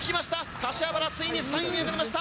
柏原、ついに３位に上がりました。